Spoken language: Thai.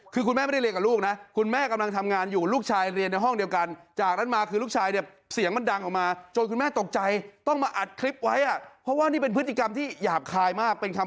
คือคุณแม่ไม่ได้เรียนกับลูกนะ